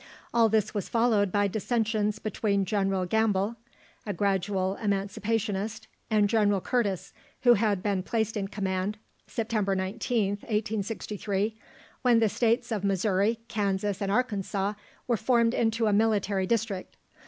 All this was followed by dissensions between General Gamble, a gradual Emancipationist, and General Curtis, who had been placed in command (September 19th, 1863) when the states of Missouri, Kansas, and Arkansas were formed into a military district.